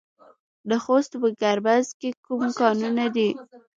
د خوست په ګربز کې کوم کانونه دي؟